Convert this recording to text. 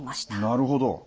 なるほど。